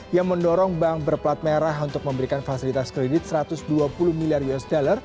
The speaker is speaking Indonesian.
yang mendorong bank berplat merah untuk memberikan fasilitas kredit satu ratus dua puluh miliar usd